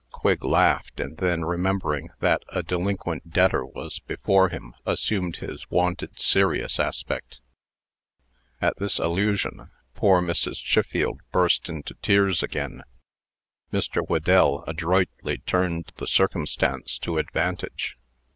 Quigg laughed; and then remembering that a delinquent debtor was before him, assumed his wonted serious aspect. At this allusion, poor Mrs. Chiffield burst into tears again. Mr. Whedell adroitly turned the circumstance to advantage.